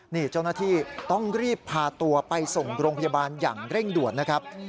นี่เจ้าหน้าที่ต้องรีบพาตัวไปส่งโรงพยาบาลอย่างเร่งด่วนนะครับ